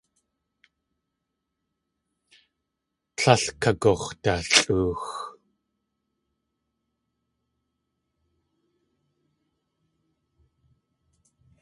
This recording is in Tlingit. Tlél kagux̲dalʼoox.